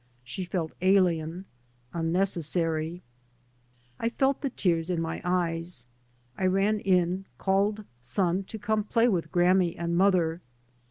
She felt alien, unnecessary. I felt the tears in my eyes. I ran in, called son to come to play with grammy and mother.